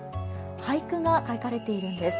俳句が書かれているんです。